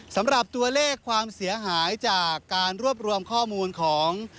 สำหรับตัวเลขความเสียหายจากการรวบรวมข้อมูลของ